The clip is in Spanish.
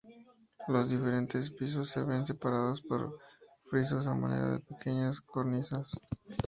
Los diferentes pisos se ven separados por frisos a manera de pequeñas cornisas.